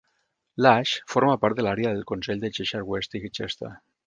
Lache forma part de l'àrea del Consell de Cheshire West i Chester.